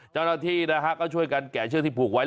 เจ้าหน้าที่นะฮะก็ช่วยกันแก่เชือกที่ผูกไว้